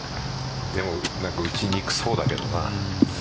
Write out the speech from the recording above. でも、打ちにくそうだけどな。